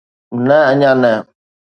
نه اڃا نه